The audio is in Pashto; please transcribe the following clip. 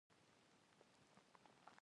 امیر ته راپور ورسېد او هغه لښکر ورولېږه.